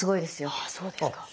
あっそうですか？